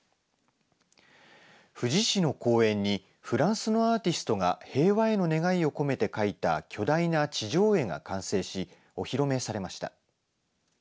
富士市の公園にフランスのアーティストが平和への願いを込めて描いた巨大な地上絵が完成しお披露目されました。